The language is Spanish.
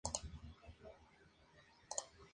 Cada grupo contendrá un equipo de cada bombo.